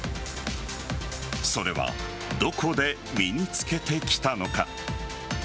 それはどこで身に付けてきたのか。